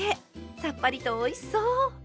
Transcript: さっぱりとおいしそう！